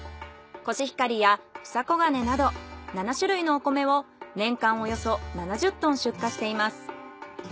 コシヒカリやふさこがねなど７種類のお米を年間およそ７０トン出荷しています。